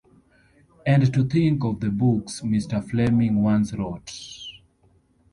And to think of the books Mr Fleming once wrote!